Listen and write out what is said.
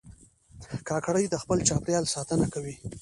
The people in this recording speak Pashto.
کاکړي د خپل چاپېریال ساتنه کوي.